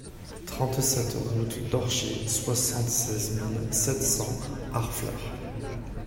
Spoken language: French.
trente-sept route d'Orcher, soixante-seize mille sept cents Harfleur